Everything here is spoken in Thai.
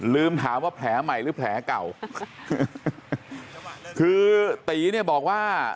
ลืมถามว่าแผลใหม่หรือแผลเก่าคือตีเนี่ยบอกว่า